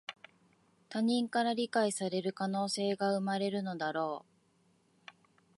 他人から理解される可能性が生まれるのだろう